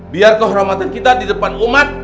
biar kehormatan kita di depan umat